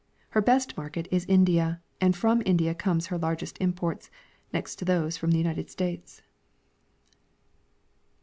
Her best market is India, and from India comes her largest imports ; next to these from the United States.